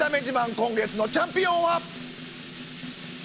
今月のチャンピオンは。